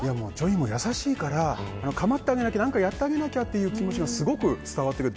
ＪＯＹも優しいから構ってあげなきゃ何かやってあげなきゃって気持ちが伝わってくる。